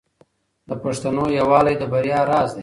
د پښتنو یووالی د بریا راز دی.